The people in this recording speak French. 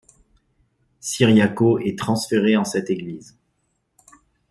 Ciriaco et transféré en cette église.